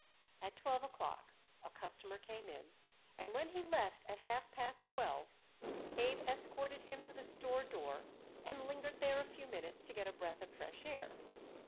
At twelve o'clock a customer came in, and when he left at half past twelve Abe escorted him to the store door and lingered there a few minutes to get a breath of fresh air.